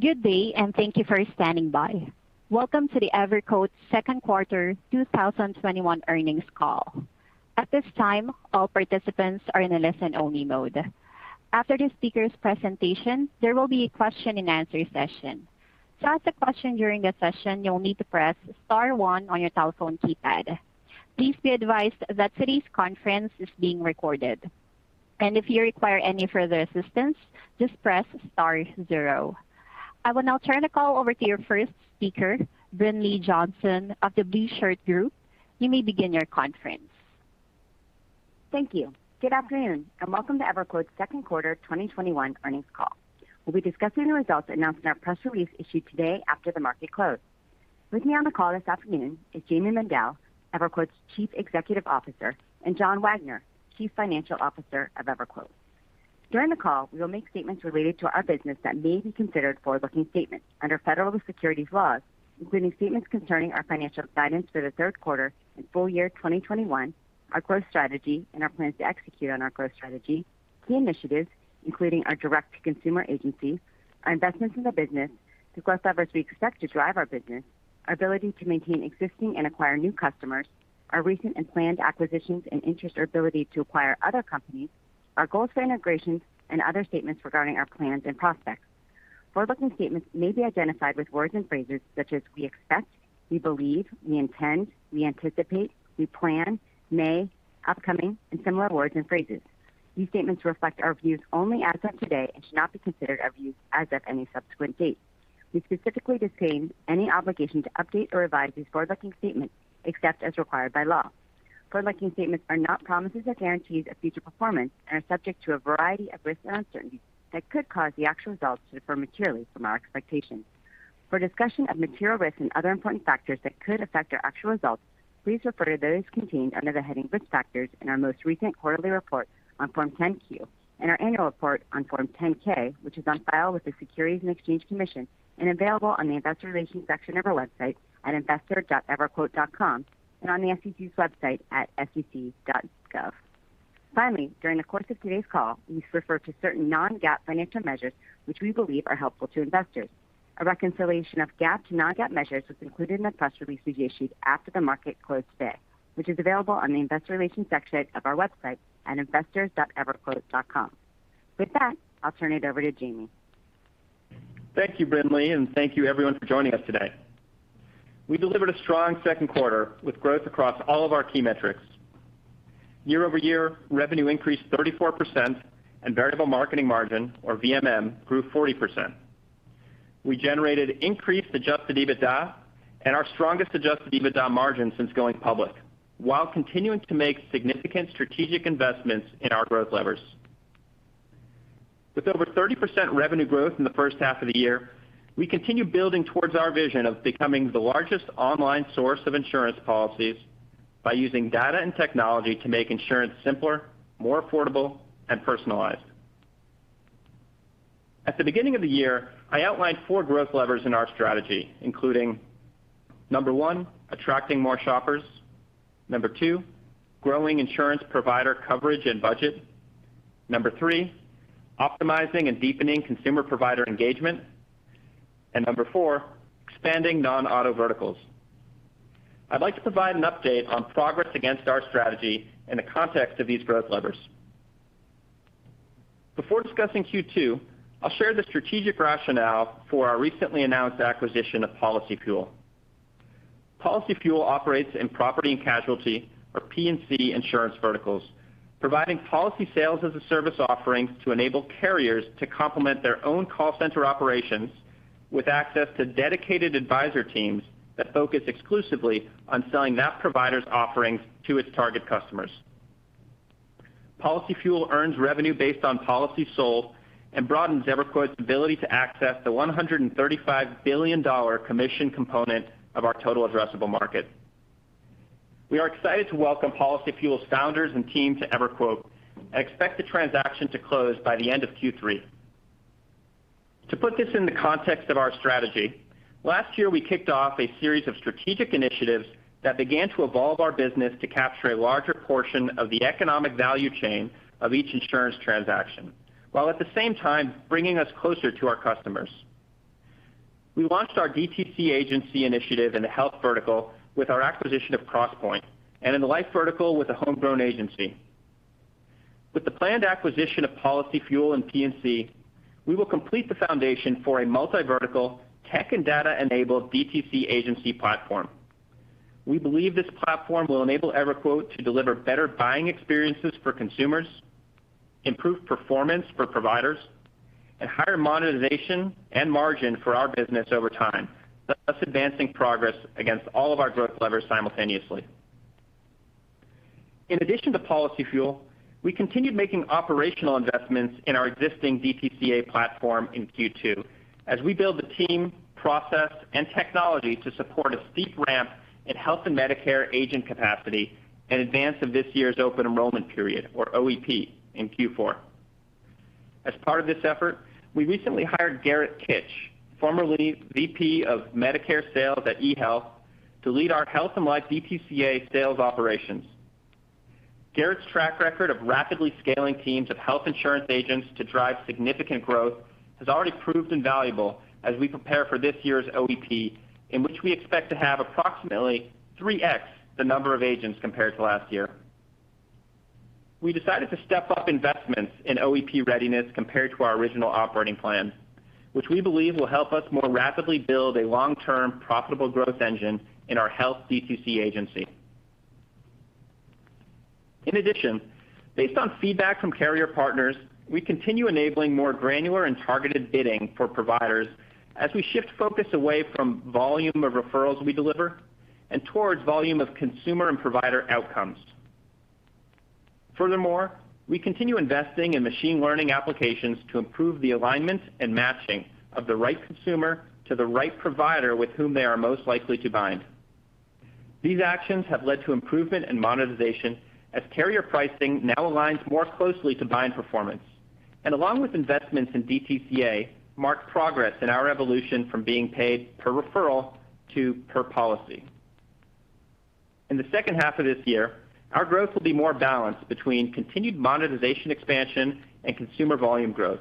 Good day, and thank you for standing by. Welcome to the EverQuote Q2 2021 Earnings Call. At this time, all participants are in a listen-only mode. After the speakers' presentation, there will be a question and answer session. To ask a question during the session, you'll need to press star one on your telephone keypad. Please be advised that today's conference is being recorded, and if you require any further assistance, just press star zero. I will now turn the call over to your first speaker, Brinlea Johnson of The Blueshirt Group. You may begin your conference. Thank you. Good afternoon, and welcome to EverQuote's Q2 2021 Earnings Call. We'll be discussing the results announced in our press release issued today after the market close. With me on the call this afternoon is Jayme Mendal, EverQuote's Chief Executive Officer, and John Wagner, Chief Financial Officer of EverQuote. During the call, we will make statements related to our business that may be considered forward-looking statements under federal securities laws, including statements concerning our financial guidance for the Q3 and full-year 2021, our growth strategy, and our plans to execute on our growth strategy, key initiatives, including our direct-to-consumer agency, our investments in the business to growth levers we expect to drive our business, our ability to maintain existing and acquire new customers, our recent and planned acquisitions and interest or ability to acquire other companies, our goals for integrations, and other statements regarding our plans and prospects. Forward-looking statements may be identified with words and phrases such as we expect, we believe, we intend, we anticipate, we plan, may, upcoming, and similar words and phrases. These statements reflect our views only as of today and should not be considered our views as of any subsequent date. We specifically disclaim any obligation to update or revise these forward-looking statements except as required by law. Forward-looking statements are not promises or guarantees of future performance, and are subject to a variety of risks and uncertainties that could cause the actual results to differ materially from our expectations. For a discussion of material risks and other important factors that could affect our actual results, please refer to those contained under the heading Risk Factors in our most recent quarterly report on Form 10-Q and our annual report on Form 10-K, which is on file with the Securities and Exchange Commission and available on the investor relations section of our website at investor.everquote.com, and on the SEC's website at sec.gov. Finally, during the course of today's call, we refer to certain non-GAAP financial measures which we believe are helpful to investors. A reconciliation of GAAP to non-GAAP measures was included in the press release we've issued after the market close today, which is available on the investor relations section of our website at investors.everquote.com. With that, I'll turn it over to Jayme. Thank you, Brinlea, and thank you everyone for joining us today. We delivered a strong Q2 with growth across all of our key metrics. Year-over-year, revenue increased 34%, and variable marketing margin, or VMM, grew 40%. We generated increased Adjusted EBITDA and our strongest Adjusted EBITDA margin since going public while continuing to make significant strategic investments in our growth levers. With over 30% revenue growth in the first half of the year, we continue building towards our vision of becoming the largest online source of insurance policies by using data and technology to make insurance simpler, more affordable, and personalized. At the beginning of the year, I outlined four growth levers in our strategy, including number one, attracting more shoppers, number two, growing insurance provider coverage and budget, number three, optimizing and deepening consumer provider engagement, and number four, expanding non-auto verticals. I'd like to provide an update on progress against our strategy in the context of these growth levers. Before discussing Q2, I'll share the strategic rationale for our recently announced acquisition of PolicyFuel. PolicyFuel operates in property and casualty, or P&C insurance verticals, providing Policy-Sales-as-a-Service offering to enable carriers to complement their own call center operations with access to dedicated advisor teams, that focus exclusively on selling that provider's offerings to its target customers. PolicyFuel earns revenue based on policy sold and broadens EverQuote's ability to access the $135 billion commission component of our total addressable market. We are excited to welcome PolicyFuel's founders and team to EverQuote expect the transaction to close by the end of Q3. To put this in the context of our strategy, last year we kicked off a series of strategic initiatives that began to evolve our business to capture a larger portion of the economic value chain of each insurance transaction, while at the same time bringing us closer to our customers. We launched our DTC agency initiative in the health vertical with our acquisition of Crosspointe, and in the life vertical with a homegrown agency. With the planned acquisition of PolicyFuel and P&C, we will complete the foundation for a multi-vertical tech and data-enabled DTCA agency platform. We believe this platform will enable EverQuote to deliver better buying experiences for consumers, improve performance for providers, and higher monetization and margin for our business over time, thus advancing progress against all of our growth levers simultaneously. In addition to PolicyFuel, we continued making operational investments in our existing DTCA platform in Q2 as we build the team, process, and technology to support a steep ramp in health and Medicare agent capacity in advance of this year's open enrollment period, or OEP, in Q4. As part of this effort, we recently hired Garett Kitch, formerly VP of Medicare Sales at eHealth, to lead our health and life DTCA sales operations. Garett's track record of rapidly scaling teams of health insurance agents to drive significant growth has already proved invaluable as we prepare for this year's OEP, in which we expect to have approximately 3x the number of agents compared to last year. We decided to step up investments in OEP readiness compared to our original operating plan, which we believe will help us more rapidly build a long-term profitable growth engine in our health DTC agency. In addition, based on feedback from carrier partners, we continue enabling more granular and targeted bidding for providers as we shift focus away from volume of referrals we deliver and towards volume of consumer and provider outcomes. Furthermore, we continue investing in machine learning applications to improve the alignment and matching of the right consumer to the right provider with whom they are most likely to bind. These actions have led to improvement in monetization as carrier pricing now aligns more closely to bind performance, and along with investments in DTCA, marks progress in our evolution from being paid per referral to per policy. In the second half of this year, our growth will be more balanced between continued monetization expansion and consumer volume growth.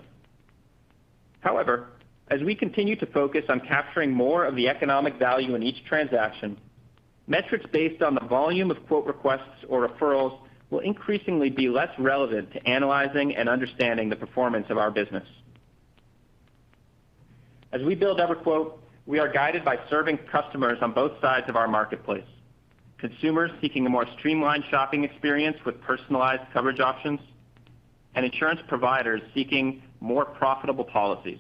However, as we continue to focus on capturing more of the economic value in each transaction, metrics based on the volume of quote requests or referrals will increasingly be less relevant to analyzing and understanding the performance of our business. As we build EverQuote, we are guided by serving customers on both sides of our marketplace, consumers seeking a more streamlined shopping experience with personalized coverage options, and insurance providers seeking more profitable policies.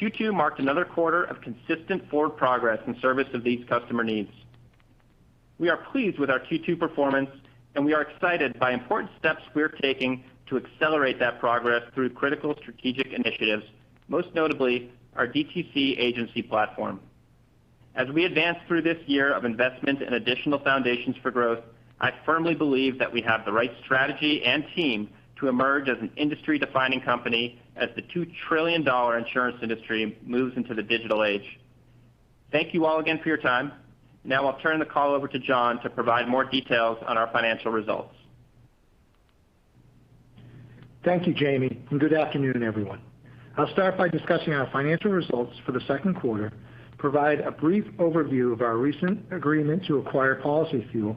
Q2 marked another quarter of consistent forward progress in service of these customer needs. We are pleased with our Q2 performance, and we are excited by important steps we are taking to accelerate that progress through critical strategic initiatives, most notably our DTC agency platform. As we advance through this year of investment in additional foundations for growth, I firmly believe that we have the right strategy and team to emerge as an industry-defining company as the $2 trillion insurance industry moves into the digital age. Thank you all again for your time. Now I'll turn the call over to John to provide more details on our financial results. Thank you, Jayme. Good afternoon, everyone. I'll start by discussing our financial results for the Q2, provide a brief overview of our recent agreement to acquire PolicyFuel,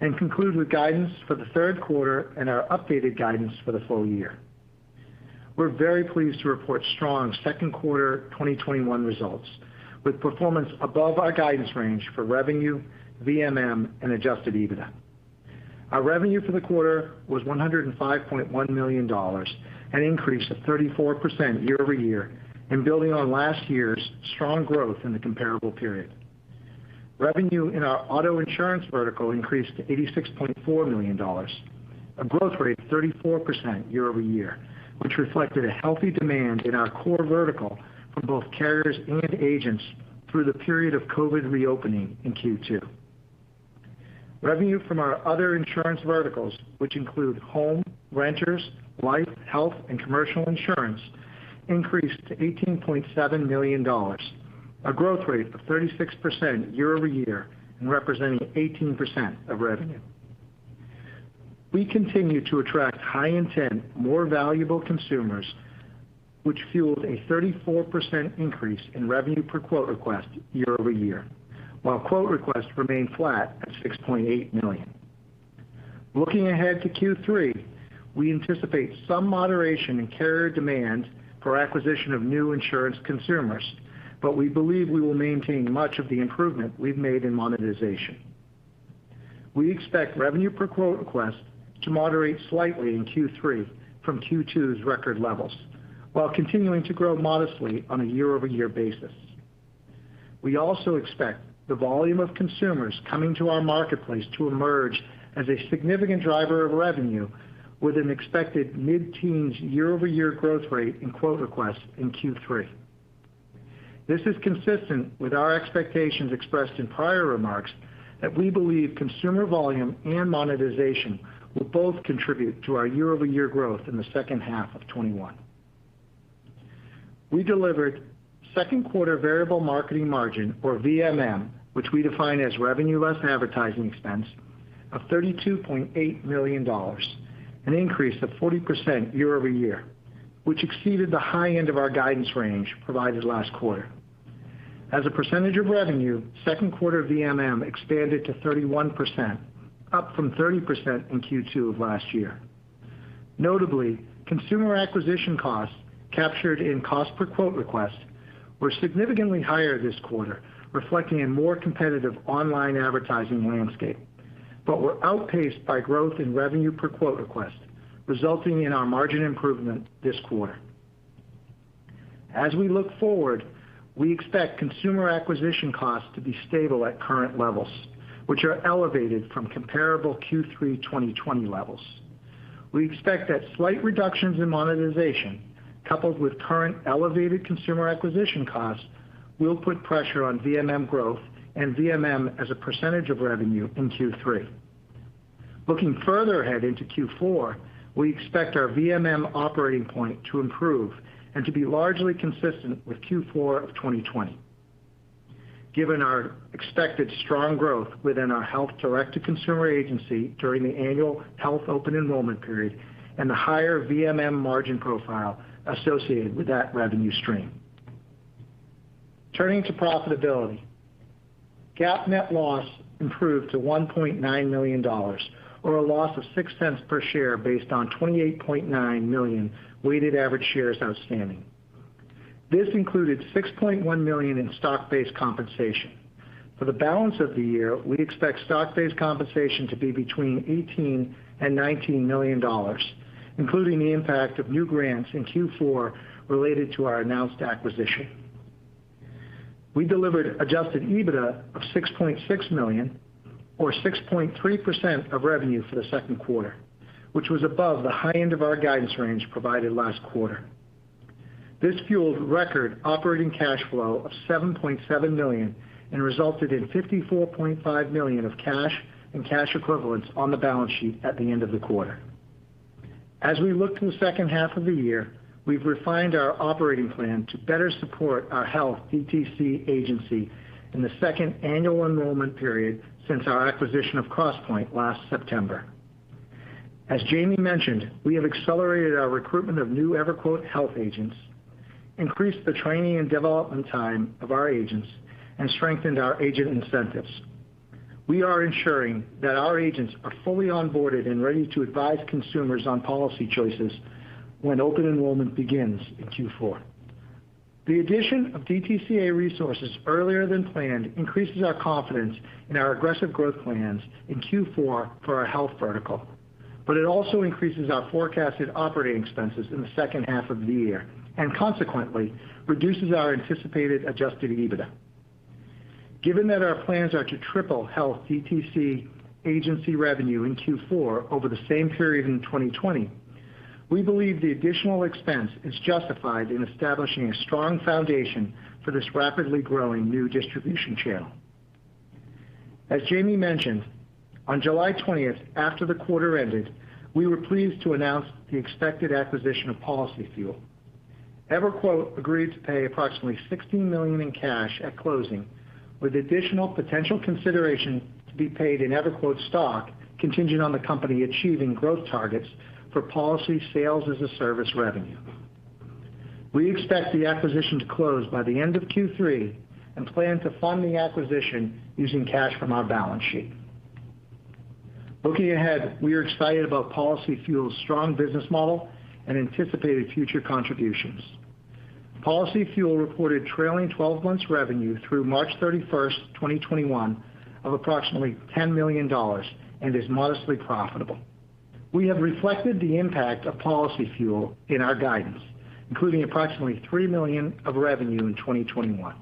and conclude with guidance for the Q3 and our updated guidance for the full year. We're very pleased to report strong Q2 2021 results, with performance above our guidance range for revenue, VMM, and Adjusted EBITDA. Our revenue for the quarter was $105.1 million, an increase of 34% year-over-year, and building on last year's strong growth in the comparable period. Revenue in our auto insurance vertical increased to $86.4 million, a growth rate of 34% year-over-year, which reflected a healthy demand in our core vertical for both carriers and agents through the period of COVID reopening in Q2. Revenue from our other insurance verticals, which include home, renters, life, health, and commercial insurance, increased to $18.7 million, a growth rate of 36% year-over-year and representing 18% of revenue. We continue to attract high intent, more valuable consumers, which fueled a 34% increase in revenue per quote request year-over-year, while quote requests remained flat at 6.8 million. Looking ahead to Q3, we anticipate some moderation in carrier demand for acquisition of new insurance consumers, but we believe we will maintain much of the improvement we've made in monetization. We expect revenue per quote request to moderate slightly in Q3 from Q2's record levels, while continuing to grow modestly on a year-over-year basis. We also expect the volume of consumers coming to our marketplace to emerge as a significant driver of revenue with an expected mid-teens year-over-year growth rate in quote requests in Q3. This is consistent with our expectations expressed in prior remarks that we believe consumer volume and monetization will both contribute to our year-over-year growth in the second half of 2021. We delivered Q2 variable marketing margin or VMM, which we define as revenue less advertising expense, of $32.8 million, an increase of 40% year-over-year, which exceeded the high end of our guidance range provided last quarter. As a percentage of revenue, Q2 VMM expanded to 31%, up from 30% in Q2 of last year. Notably, consumer acquisition costs captured in cost per quote request were significantly higher this quarter, reflecting a more competitive online advertising landscape, but were outpaced by growth in revenue per quote request, resulting in our margin improvement this quarter. As we look forward, we expect consumer acquisition costs to be stable at current levels, which are elevated from comparable Q3 2020 levels. We expect that slight reductions in monetization coupled with current elevated consumer acquisition costs will put pressure on VMM growth and VMM as a percentage of revenue in Q3. Looking further ahead into Q4, we expect our VMM operating point to improve and to be largely consistent with Q4 of 2020. Given our expected strong growth within our health direct-to-consumer agency during the annual health open enrollment period and the higher VMM margin profile associated with that revenue stream. Turning to profitability. GAAP net loss improved to $1.9 million, or a loss of $0.06 per share based on 28.9 million weighted average shares outstanding. This included $6.1 million in stock-based compensation. For the balance of the year, we expect stock-based compensation to be between $18 million and $19 million, including the impact of new grants in Q4 related to our announced acquisition. We delivered Adjusted EBITDA of $6.6 million, or 6.3% of revenue for the Q2, which was above the high end of our guidance range provided last quarter. This fueled record operating cash flow of $7.7 million and resulted in $54.5 million of cash and cash equivalents on the balance sheet at the end of the quarter. As we look to the second half of the year, we've refined our operating plan to better support our health DTC agency in the second annual enrollment period since our acquisition of Crosspointe last September. As Jayme mentioned, we have accelerated our recruitment of new EverQuote health agents, increased the training and development time of our agents, and strengthened our agent incentives. We are ensuring that our agents are fully onboarded and ready to advise consumers on policy choices when open enrollment begins in Q4. The addition of DTCA resources earlier than planned increases our confidence in our aggressive growth plans in Q4 for our health vertical, but it also increases our forecasted operating expenses in the second half of the year, and consequently reduces our anticipated Adjusted EBITDA. Given that our plans are to triple health DTC agency revenue in Q4 over the same period in 2020, we believe the additional expense is justified in establishing a strong foundation for this rapidly growing new distribution channel. As Jayme mentioned, on July 20th, after the quarter ended, we were pleased to announce the expected acquisition of PolicyFuel. EverQuote agreed to pay approximately $16 million in cash at closing, with additional potential consideration to be paid in EverQuote stock contingent on the company achieving growth targets for Policy-Sales-as-a-Service revenue. We expect the acquisition to close by the end of Q3 and plan to fund the acquisition using cash from our balance sheet. Looking ahead, we are excited about PolicyFuel's strong business model and anticipated future contributions. PolicyFuel reported trailing 12 months' revenue through March 31st, 2021 of approximately $10 million and is modestly profitable. We have reflected the impact of PolicyFuel in our guidance, including approximately $3 million of revenue in 2021.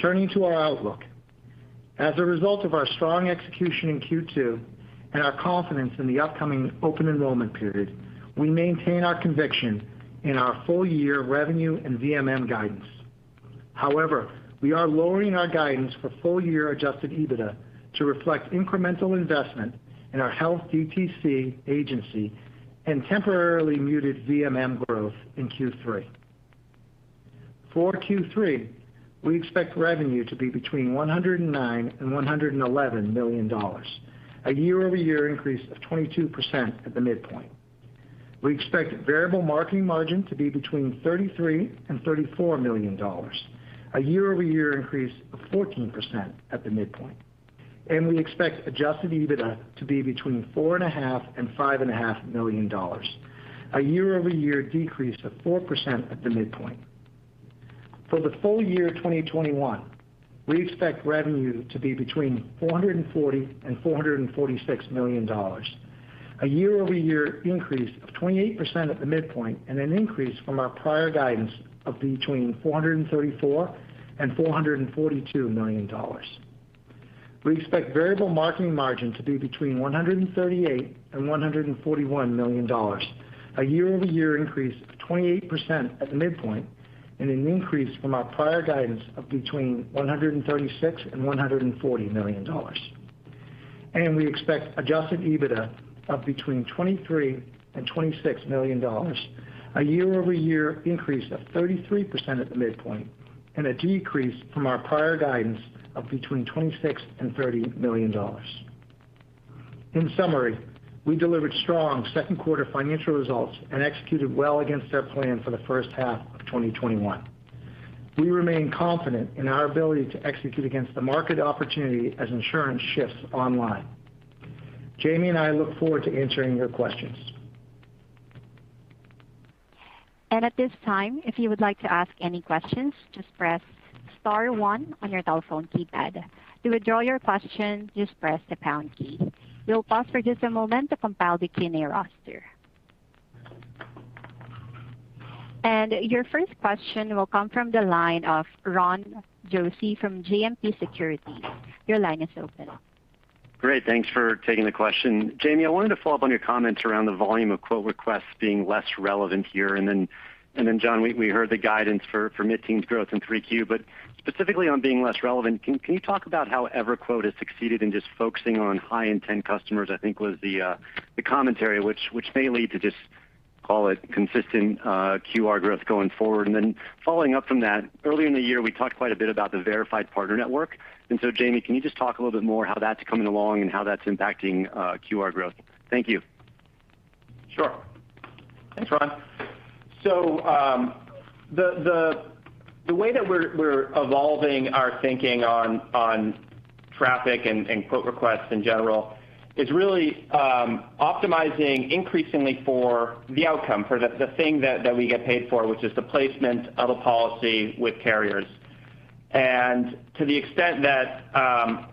Turning to our outlook. As a result of our strong execution in Q2, and our confidence in the upcoming open enrollment period, we maintain our conviction in our full year revenue and VMM guidance. However, we are lowering our guidance for full year Adjusted EBITDA to reflect incremental investment in our health DTC agency and temporarily muted VMM growth in Q3. For Q3, we expect revenue to be between $109 million and $111 million, a year-over-year increase of 22% at the midpoint. We expect variable marketing margin to be between $33 million and $34 million, a year-over-year increase of 14% at the midpoint. We expect Adjusted EBITDA to be between $4.5 million and $5.5 million, a year-over-year decrease of 4% at the midpoint. For the full year 2021, we expect revenue to be between $440 and $446 million, a year-over-year increase of 28% at the midpoint, and an increase from our prior guidance of between $434 and $442 million. We expect variable marketing margin to be between $138 and $141 million, a year-over-year increase of 28% at the midpoint, and an increase from our prior guidance of between $136 and $140 million. We expect Adjusted EBITDA of between $23 and $26 million, a year-over-year increase of 33% at the midpoint, and a decrease from our prior guidance of between $26 and $30 million. In summary, we delivered strong Q2 financial results and executed well against our plan for the first half of 2021. We remain confident in our ability to execute against the market opportunity as insurance shifts online. Jayme and I look forward to answering your questions. At this time, if you would like to ask any questions, just press star one on your telephone keypad. To withdraw your question, just press the pound key. We'll pause for just a moment to compile the Q&A roster. Your first question will come from the line of Ron Josey from JMP Securities. Your line is open. Great, thanks for taking the question. Jayme, I wanted to follow up on your comments around the volume of quote requests being less relevant here. John, we heard the guidance for mid-teens growth in Q3. Specifically on being less relevant, can you talk about how EverQuote has succeeded in just focusing on high-intent customers, I think was the commentary, which may lead to just call it consistent QR growth going forward. Following up from that, earlier in the year, we talked quite a bit about the Verified Partner Network. Jayme, can you just talk a little bit more how that's coming along and how that's impacting QR growth? Thank you. Sure. Thanks, Ron. The way that we're evolving our thinking on traffic and quote requests in general is really optimizing increasingly for the outcome, for the thing that we get paid for, which is the placement of a policy with carriers. To the extent that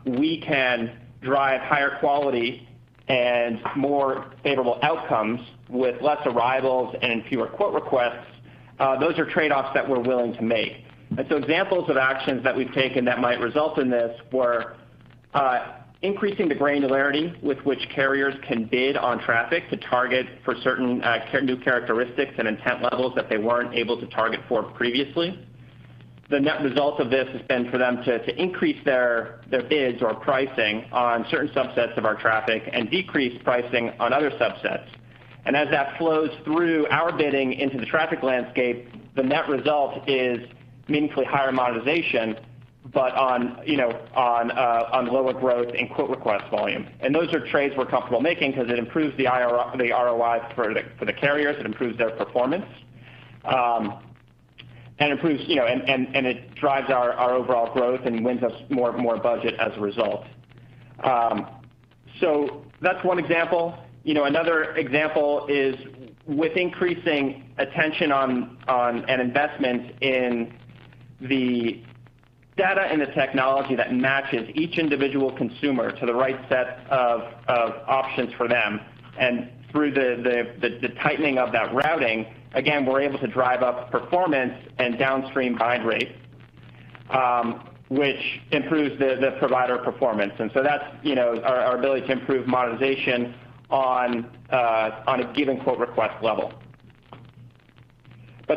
we can drive higher quality and more favorable outcomes with less arrivals and fewer quote requests, those are trade-offs that we're willing to make. Examples of actions that we've taken that might result in this were increasing the granularity with which carriers can bid on traffic to target for certain new characteristics and intent levels that they weren't able to target for previously. The net result of this has been for them to increase their bids or pricing on certain subsets of our traffic and decrease pricing on other subsets. As that flows through our bidding into the traffic landscape, the net result is meaningfully higher monetization, but on lower growth in quote request volume. Those are trades we're comfortable making because it improves the ROI for the carriers. It improves their performance. It drives our overall growth and wins us more budget as a result. That's one example. Another example is with increasing attention on an investment in the data and the technology that matches each individual consumer to the right set of options for them. Through the tightening of that routing, again, we're able to drive up performance and downstream bind rates, which improves the provider performance. That's our ability to improve monetization on a given quote request level.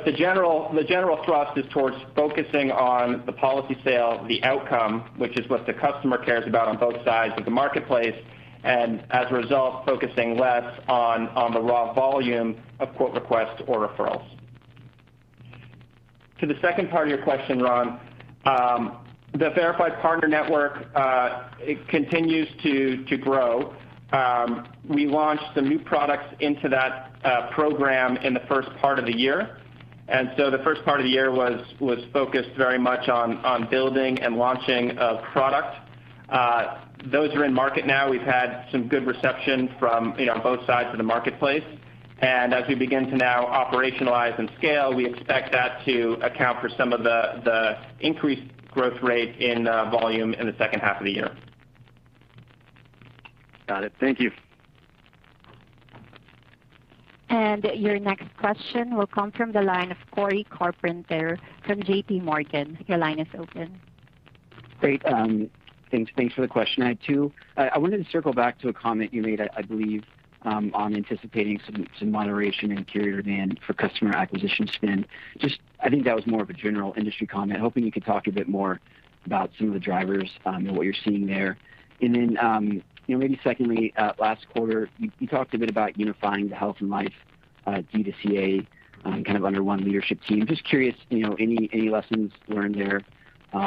The general thrust is towards focusing on the policy sale, the outcome, which is what the customer cares about on both sides of the marketplace, and as a result, focusing less on the raw volume of quote requests or referrals. To the second part of your question, Ron, the Verified Partner Network, it continues to grow. We launched some new products into that program in the first part of the year. The first part of the year was focused very much on building and launching a product. Those are in market now. We've had some good reception from both sides of the marketplace. As we begin to now operationalize and scale, we expect that to account for some of the increased growth rate in volume in the second half of the year. Got it. Thank you. Your next question will come from the line of Cory Carpenter from JPMorgan. Your line is open. Great. Thanks for the question. I had two. I wanted to circle back to a comment you made, I believe, on anticipating some moderation in carrier demand for customer acquisition spend. Just, I think that was more of a general industry comment. Hoping you could talk a bit more about some of the drivers and what you're seeing there. Maybe secondly, last quarter, you talked a bit about unifying the health and life DTCA kind of under one leadership team. Just curious, any lessons learned there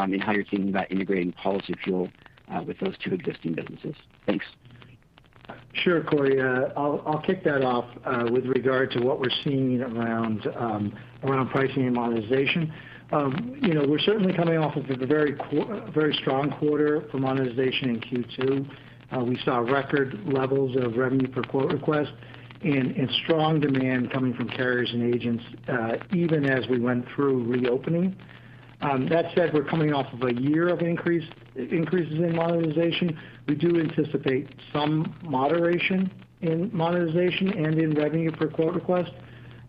in how you're thinking about integrating Policyfuel with those two existing businesses? Thanks. Sure, Cory. I'll kick that off with regard to what we're seeing around pricing and monetization. We're certainly coming off of a very strong quarter for monetization in Q2. We saw record levels of revenue per quote request and strong demand coming from carriers and agents even as we went through reopening. That said, we're coming off of a year of increases in monetization. We do anticipate some moderation in monetization and in revenue per quote request.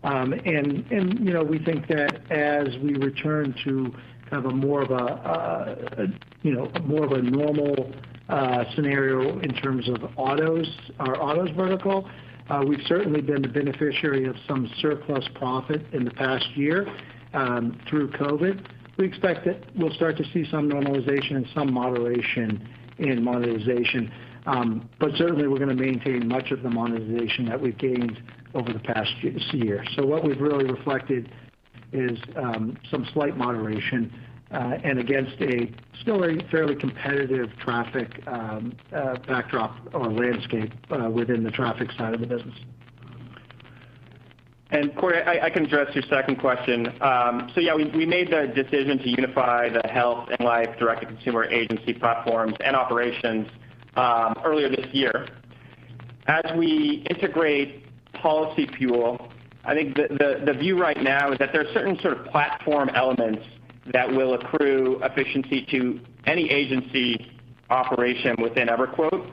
We think that as we return to kind of a more of a normal scenario in terms of our autos vertical, we've certainly been the beneficiary of some surplus profit in the past year through COVID. We expect that we'll start to see some normalization and some moderation in monetization. Certainly, we're going to maintain much of the monetization that we've gained over the past year. What we've really reflected is some slight moderation and against a still fairly competitive traffic backdrop or landscape within the traffic side of the business. Cory, I can address your second question. Yeah, we made the decision to unify the health and life direct to consumer agency platforms and operations earlier this year. As we integrate PolicyFuel, I think the view right now is that there are certain sort of platform elements that will accrue efficiency to any agency operation within EverQuote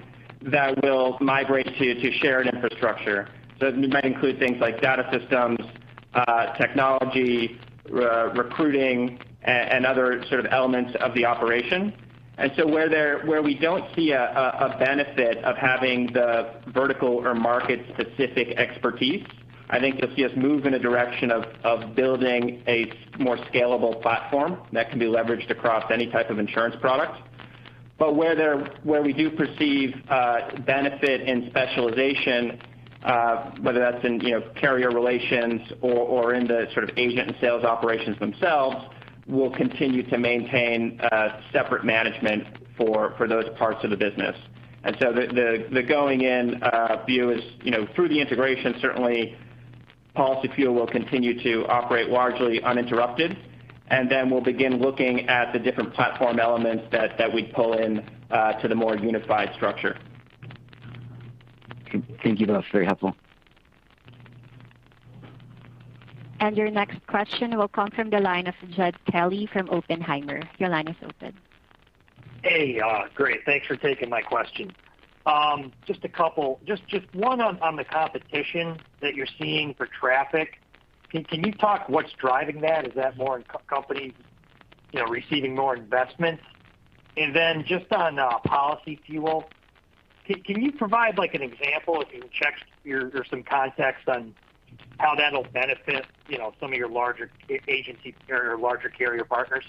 that will migrate to shared infrastructure. It might include things like data systems, technology, recruiting, and other sort of elements of the operation. Where we don't see a benefit of having the vertical or market-specific expertise, I think you'll see us move in a direction of building a more scalable platform that can be leveraged across any type of insurance product. Where we do perceive benefit in specialization, whether that's in carrier relations or in the agent and sales operations themselves, we'll continue to maintain separate management for those parts of the business. The going-in view is through the integration, certainly PolicyFuel will continue to operate largely uninterrupted, and then we'll begin looking at the different platform elements that we'd pull into the more unified structure. Thank you. That was very helpful. Your next question will come from the line of Jed Kelly from Oppenheimer. Your line is open. Hey, great. Thanks for taking my question. Just a couple. Just one on the competition that you're seeing for traffic. Can you talk what's driving that? Is that more companies receiving more investment? Then just on PolicyFuel, can you provide an example or some context on how that'll benefit some of your larger carrier partners?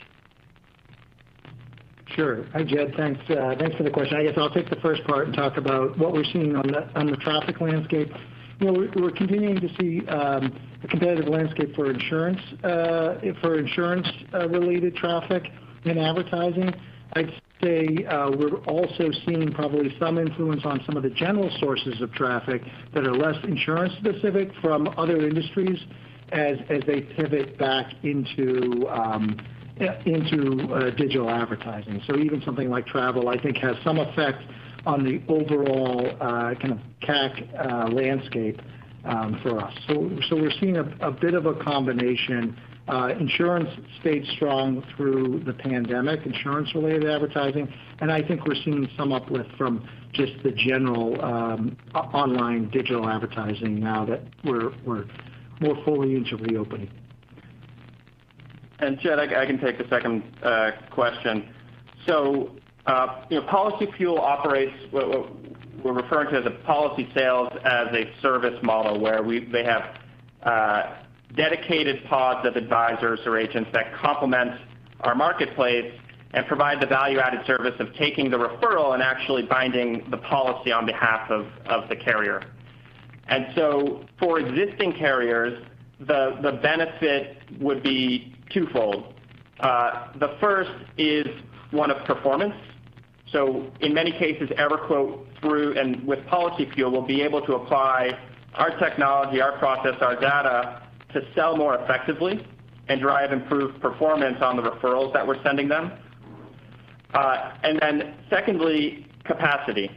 Sure. Hi, Jed. Thanks for the question. I guess I'll take the first part and talk about what we're seeing on the traffic landscape. We're continuing to see a competitive landscape for insurance-related traffic in advertising. I'd say we're also seeing probably some influence on some of the general sources of traffic that are less insurance-specific from other industries as they pivot back into digital advertising. Even something like travel, I think, has some effect on the overall kind of CAC landscape for us. We're seeing a bit of a combination. Insurance stayed strong through the pandemic, insurance-related advertising, and I think we're seeing some uplift from just the general online digital advertising now that we're more fully into reopening. Jed, I can take the second question. PolicyFuel operates what we're referring to as a Policy-Sales-as-a-Service model, where they have dedicated pods of advisors or agents that complement our marketplace and provide the value-added service of taking the referral and actually binding the policy on behalf of the carrier. For existing carriers, the benefit would be twofold. The first is one of performance. In many cases, EverQuote, through and with PolicyFuel, will be able to apply our technology, our process, our data to sell more effectively and drive improved performance on the referrals that we're sending them. Secondly, capacity.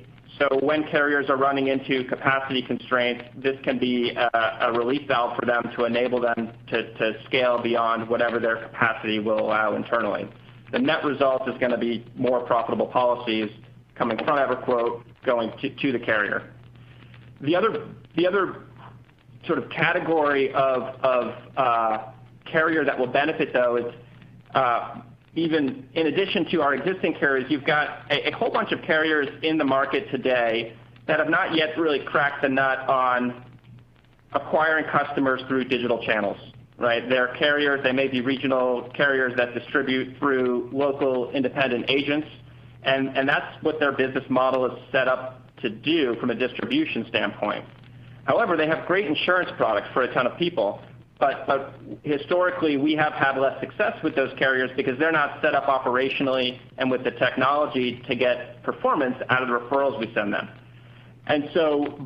When carriers are running into capacity constraints, this can be a relief valve for them to enable them to scale beyond whatever their capacity will allow internally. The net result is going to be more profitable policies coming from EverQuote, going to the carrier. The other sort of category of carrier that will benefit, though, is even in addition to our existing carriers, you've got a whole bunch of carriers in the market today that have not yet really cracked the nut on acquiring customers through digital channels, right? They're carriers, they may be regional carriers that distribute through local independent agents, that's what their business model is set up to do from a distribution standpoint. However, they have great insurance products for a ton of people. Historically, we have had less success with those carriers because they're not set up operationally and with the technology to get performance out of the referrals we send them.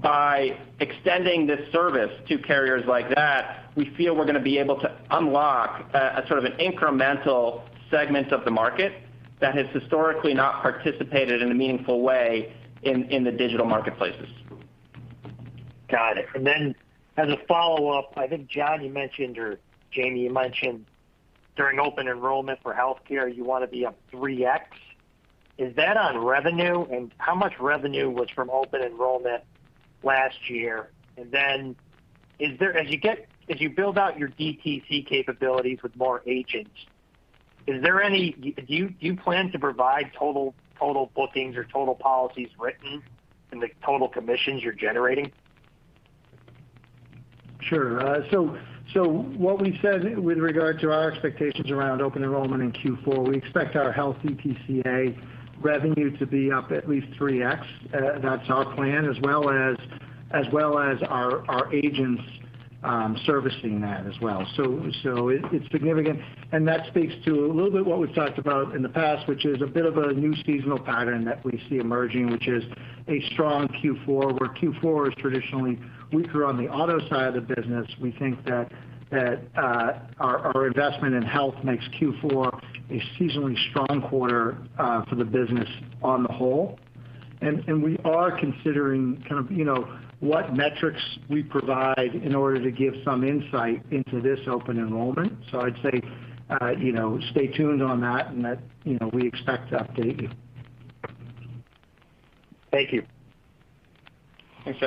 By extending this service to carriers like that, we feel we're going to be able to unlock a sort of an incremental segment of the market that has historically not participated in a meaningful way in the digital marketplaces. Got it. Then as a follow-up, I think, John, you mentioned, or Jayme, you mentioned during open enrollment for healthcare, you want to be up 3x. Is that on revenue? How much revenue was from open enrollment last year? Then as you build out your DTC capabilities with more agents, do you plan to provide total bookings or total policies written in the total commissions you're generating? Sure. What we've said with regard to our expectations around open enrollment in Q4, we expect our Health DTCA revenue to be up at least 3x. That's our plan as well as our agents servicing that as well. It's significant, and that speaks to a little bit what we've talked about in the past, which is a bit of a new seasonal pattern that we see emerging, which is a strong Q4, where Q4 is traditionally weaker on the auto side of the business. We think that our investment in health makes Q4 a seasonally strong quarter for the business on the whole. We are considering what metrics we provide in order to give some insight into this open enrollment. I'd say, stay tuned on that, and that we expect to update you. Thank you. Thanks,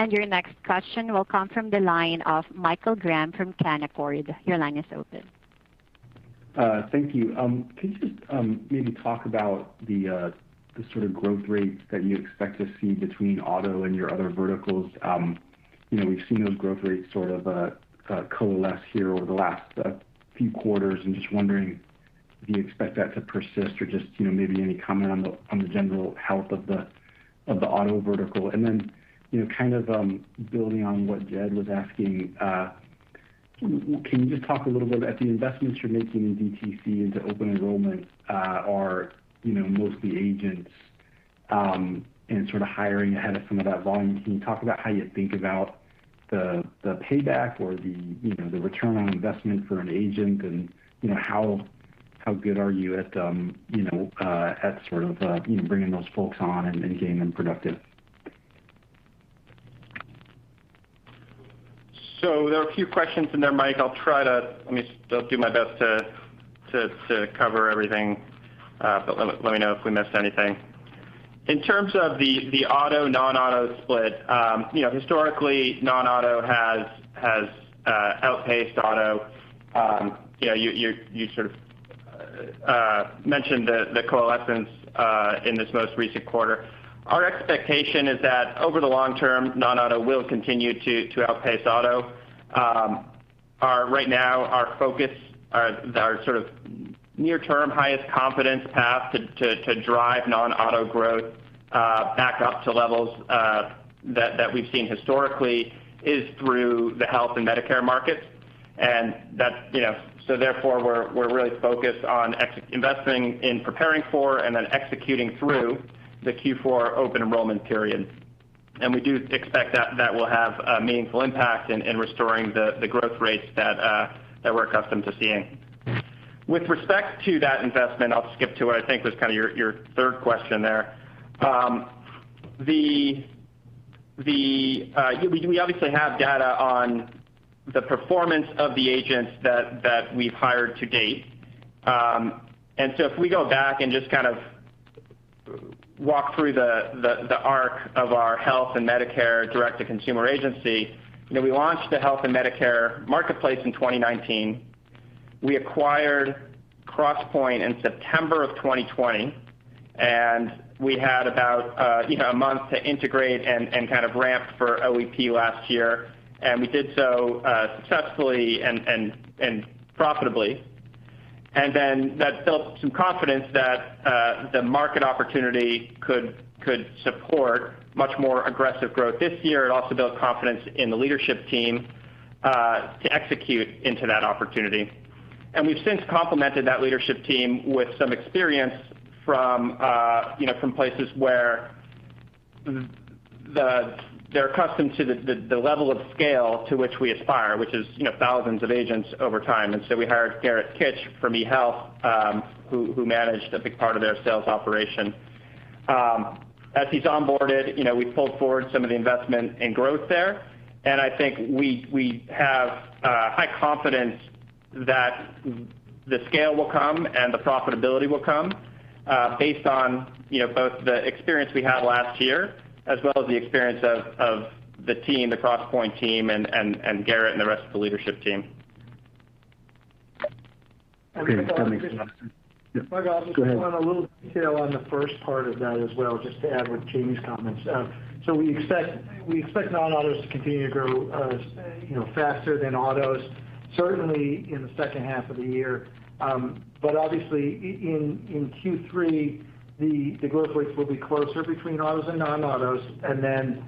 Jed. Your next question will come from the line of Michael Graham from Canaccord. Your line is open. Thank you. Can you just maybe talk about the sort of growth rate that you expect to see between auto and your other verticals. We've seen those growth rates sort of coalesce here over the last few quarters, and just wondering, do you expect that to persist or just maybe any comment on the general health of the auto vertical? Building on what Jed was asking, can you just talk a little bit, as the investments you're making in DTC into open enrollment are mostly agents and sort of hiring ahead of some of that volume, can you talk about how you think about the payback or the return on investment for an agent and how good are you at bringing those folks on and getting them productive? There are a few questions in there, Mike. I'll do my best to cover everything, but let me know if we missed anything. In terms of the auto, non-auto split, historically, non-auto has outpaced auto. You sort of mentioned the coalescence in this most recent quarter. Our expectation is that over the long term, non-auto will continue to outpace auto. Right now, our focus, our sort of near term highest confidence path to drive non-auto growth back up to levels that we've seen historically is through the Health and Medicare markets. Therefore, we're really focused on investing in preparing for and then executing through the Q4 open enrollment period. We do expect that will have a meaningful impact in restoring the growth rates that we're accustomed to seeing. With respect to that investment, I'll skip to what I think was kind of your third question there. We obviously have data on the performance of the agents that we've hired to date. If we go back and just kind of walk through the arc of our Health and Medicare direct-to-consumer agency, we launched the Health and Medicare marketplace in 2019. We acquired Crosspointe in September of 2020, and we had about a month to integrate and kind of ramp for OEP last year, and we did so successfully and profitably. That built some confidence that the market opportunity could support much more aggressive growth this year. It also built confidence in the leadership team to execute into that opportunity. We've since complemented that leadership team with some experience from places where they're accustomed to the level of scale to which we aspire, which is thousands of agents over time. We hired Garett Kitch from eHealth who managed a big part of their sales operation. As he's onboarded, we pulled forward some of the investment in growth there, and I think we have high confidence that the scale will come and the profitability will come based on both the experience we had last year as well as the experience of the team, the Crosspointe team, and Garett and the rest of the leadership team. Okay, that makes a lot of sense. Go ahead. Mike, I'll just add a little detail on the first part of that as well, just to add with Jayme's comments. We expect non-autos to continue to grow faster than autos, certainly in the second half of the year. Obviously in Q3, the growth rates will be closer between autos and non-autos, and then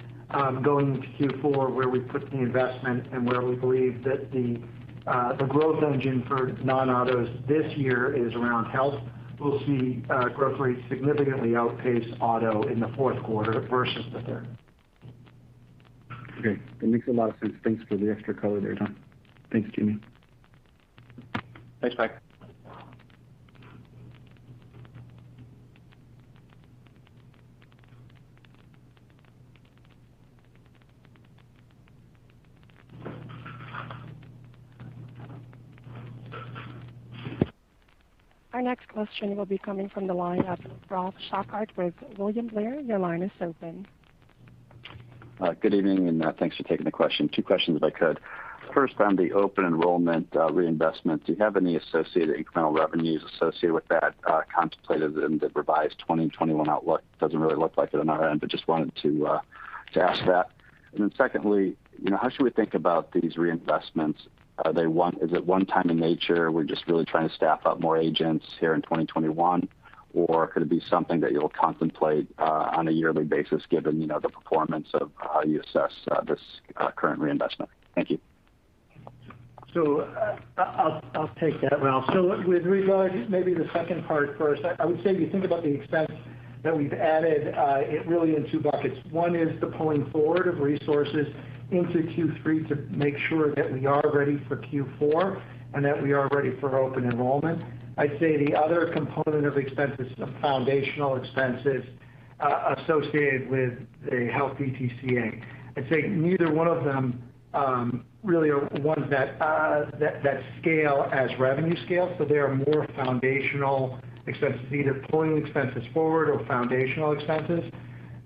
going into Q4, where we put the investment and where we believe that the growth engine for non-autos this year is around health. We'll see growth rates significantly outpace auto in the Q4 versus the third. Okay, that makes a lot of sense. Thanks for the extra color there. Thanks, Jayme. Thanks, Mike. Our next question will be coming from the line of Ralph Schackart with William Blair. Your line is open. Good evening, and thanks for taking the question. Two questions, if I could. First, on the open enrollment reinvestment, do you have any associated incremental revenues associated with that contemplated in the revised 2021 outlook? Doesn't really look like it on our end, but just wanted to ask that. Secondly, how should we think about these reinvestments? Is it 1 time in nature, we're just really trying to staff up more agents here in 2021? Or could it be something that you'll contemplate on a yearly basis given the performance of how you assess this current reinvestment? Thank you. I'll take that, Ralph. With regard, maybe the second part first, I would say if you think about the expense that we've added, it really in two buckets. One is the pulling forward of resources into Q3 to make sure that we are ready for Q4 and that we are ready for open enrollment. I'd say the other component of expenses is the foundational expenses associated with the Health DTCA. I'd say neither one of them really are ones that scale as revenue scales, so they are more foundational expenses, either pulling expenses forward or foundational expenses.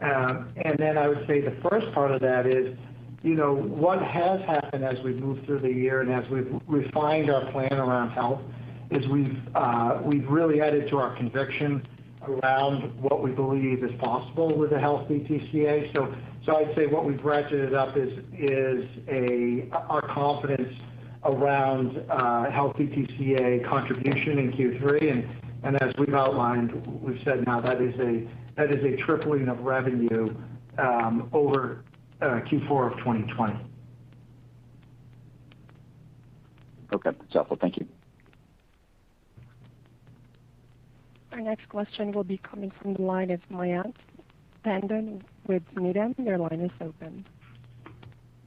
Then I would say the first part of that is what has happened as we've moved through the year and as we've refined our plan around health, is we've really added to our conviction around what we believe is possible with a Health DTCA. I'd say what we've ratcheted up is our confidence around Health DTCA contribution in Q3. As we've outlined, we've said now that is a tripling of revenue over Q4 of 2020. Okay. That's helpful. Thank you. Our next question will be coming from the line of Mayank Tandon with Needham. Your line is open.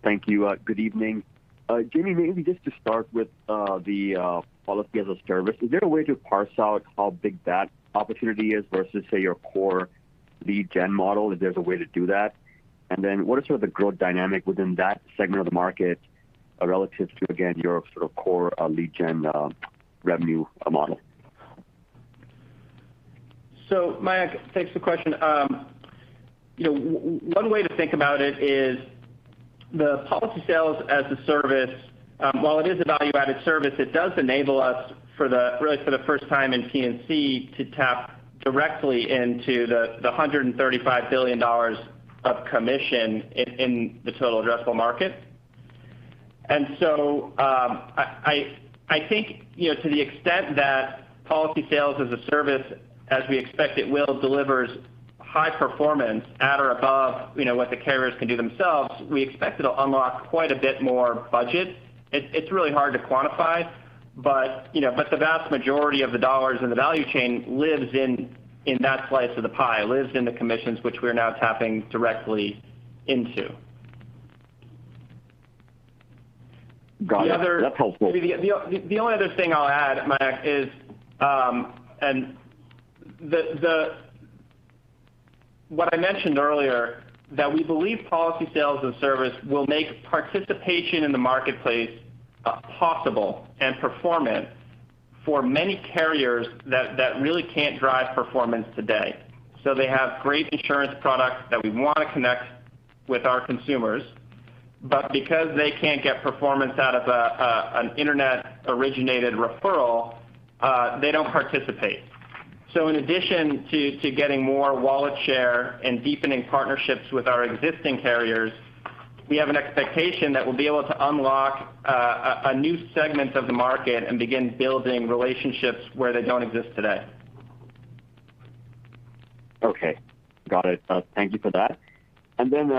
Thank you. Good evening. Jayme, maybe just to start with the Policy-Sales-as-a-Service. Is there a way to parse out how big that opportunity is versus, say, your core lead gen model, if there's a way to do that? What are sort of the growth dynamic within that segment of the market relative to, again, your sort of core lead gen revenue model? Mayank, thanks for the question. One way to think about it is the Policy-Sales-as-a-Service, while it is a value-added service, it does enable us, really for the first time in P&C, to tap directly into the $135 billion of commission in the total addressable market. I think, to the extent that Policy-Sales-as-a-Service, as we expect it will, delivers high performance at or above what the carriers can do themselves, we expect it'll unlock quite a bit more budget. It's really hard to quantify, but the vast majority of the dollars in the value chain lives in that slice of the pie, lives in the commissions which we're now tapping directly into. Got it. That's helpful. The only other thing I'll add, Mayank, is what I mentioned earlier, that we believe Policy-Sales-as-a-Service will make participation in the marketplace possible and performant for many carriers that really can't drive performance today. They have great insurance products that we want to connect with our consumers, but because they can't get performance out of an internet-originated referral, they don't participate. In addition to getting more wallet share and deepening partnerships with our existing carriers, we have an expectation that we'll be able to unlock a new segment of the market and begin building relationships where they don't exist today. Okay. Got it. Thank you for that.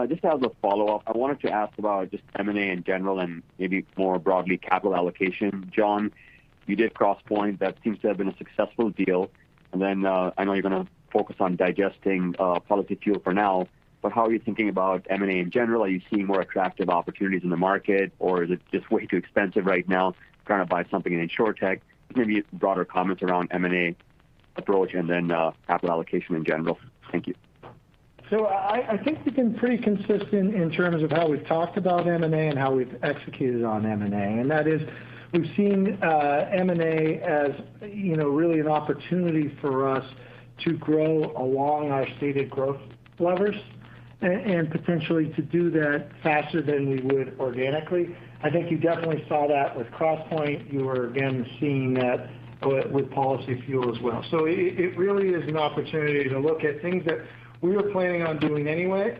Just as a follow-up, I wanted to ask about just M&A in general and maybe more broadly, capital allocation. John, you did Crosspointe. That seems to have been a successful deal. I know you're going to focus on digesting PolicyFuel for now, but how are you thinking about M&A in general? Are you seeing more attractive opportunities in the market, or is it just way too expensive right now trying to buy something in insurtech? Maybe broader comments around M&A approach and then capital allocation in general. Thank you. I think we've been pretty consistent in terms of how we've talked about M&A and how we've executed on M&A. That is, we've seen M&A as really an opportunity for us to grow along our stated growth levers, and potentially to do that faster than we would organically. I think you definitely saw that with Crosspointe. You are again seeing that with Policyfuel as well. It really is an opportunity to look at things that we were planning on doing anyway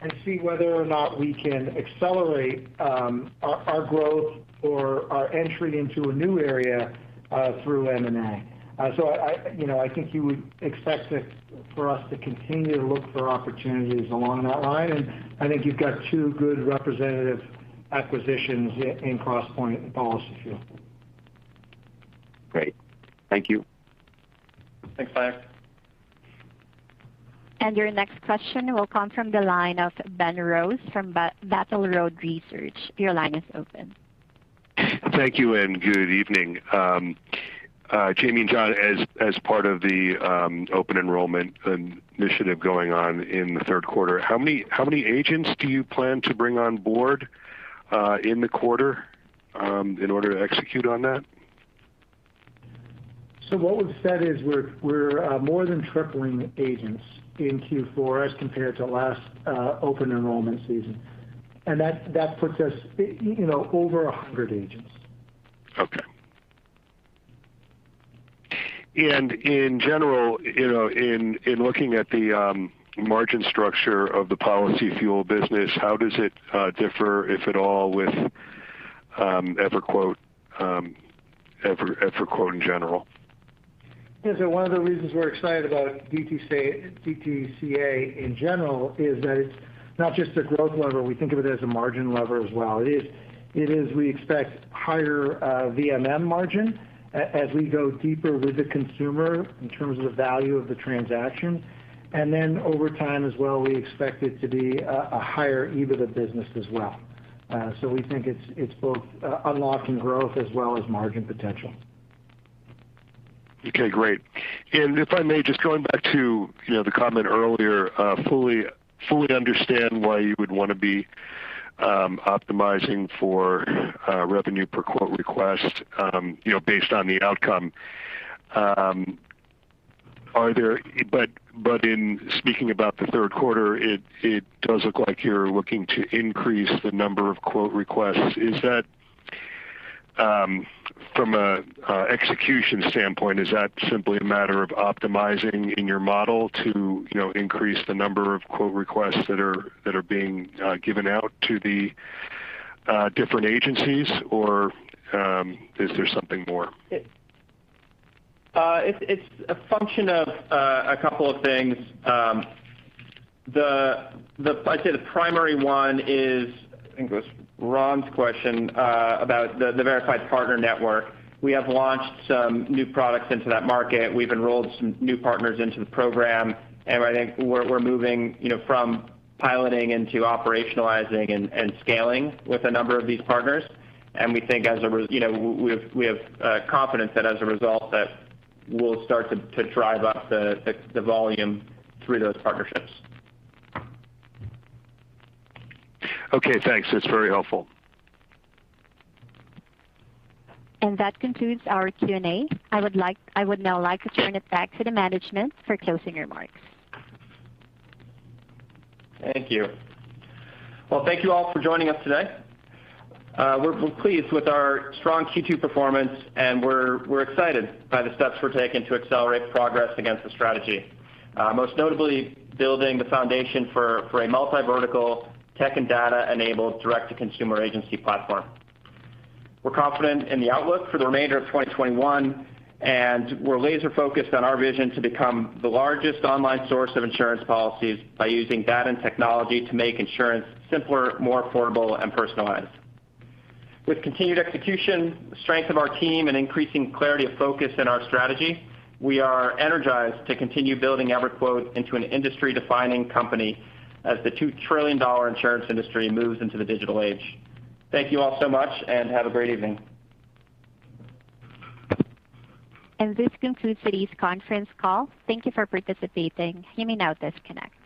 and see whether or not we can accelerate our growth or our entry into a new area through M&A. I think you would expect for us to continue to look for opportunities along that line, and I think you've got two good representative acquisitions in Crosspointe and Policyfuel. Great. Thank you. Thanks, Mayank. Your next question will come from the line of Ben Rose from Battle Road Research. Your line is open. Thank you and good evening. Jayme and John, as part of the open enrollment initiative going on in the Q3, how many agents do you plan to bring on board in the quarter in order to execute on that? What we've said is we're more than tripling agents in Q4 as compared to last open enrollment season. And that puts us over 100 agents. Okay. In general, in looking at the margin structure of the PolicyFuel business, how does it differ, if at all, with EverQuote in general? One of the reasons we're excited about DTCA in general is that it's not just a growth lever. We think of it as a margin lever as well. It is, we expect higher VMM margin as we go deeper with the consumer in terms of the value of the transaction. Over time as well, we expect it to be a higher EBITDA business as well. We think it's both unlocking growth as well as margin potential. Okay, great. If I may, just going back to the comment earlier, fully understand why you would want to be optimizing for revenue per quote request based on the outcome. In speaking about the Q3, it does look like you're looking to increase the number of quote requests. From an execution standpoint, is that simply a matter of optimizing in your model to increase the number of quote requests that are being given out to the different agencies, or is there something more? It's a function of a couple of things. I'd say the primary one is, I think it was Ron's question about the Verified Partner Network. We have launched some new products into that market. We've enrolled some new partners into the program. I think we're moving from piloting into operationalizing and scaling with a number of these partners. We have confidence that as a result, that we'll start to drive up the volume through those partnerships. Okay, thanks. That's very helpful. That concludes our Q&A. I would now like to turn it back to the management for closing remarks. Thank you. Well, thank you all for joining us today. We're pleased with our strong Q2 performance, and we're excited by the steps we're taking to accelerate progress against the strategy. Most notably, building the foundation for a multi-vertical tech and data-enabled direct-to-consumer agency platform. We're confident in the outlook for the remainder of 2021, and we're laser-focused on our vision to become the largest online source of insurance policies by using data and technology to make insurance simpler, more affordable, and personalized. With continued execution, the strength of our team, and increasing clarity of focus in our strategy, we are energized to continue building EverQuote into an industry-defining company as the $2 trillion insurance industry moves into the digital age. Thank you all so much, and have a great evening. This concludes today's conference call. Thank you for participating. You may now disconnect.